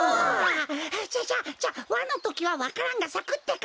じゃじゃじゃワのときはわか蘭がさくってか？